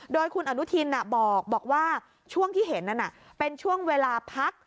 โดยคุณอนุทินบอกว่าช่วงที่เห็นนั้นเป็นช่วงเวลาพัก